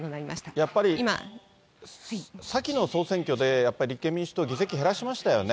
やっぱりさきの総選挙で、やっぱり立憲民主党、議席を減らしましたよね。